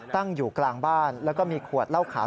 ตั้งอยู่กลางบ้านแล้วก็มีขวดเหล้าขาว